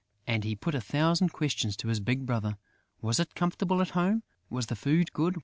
And he put a thousand questions to his big brother: was it comfortable at home? Was the food good?